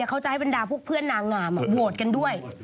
เขาจะให้บรรดาพวกเพื่อนนางงามโหวตกันด้วย